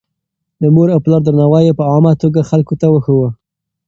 د مور او پلار درناوی يې په عامه توګه خلکو ته ښووه.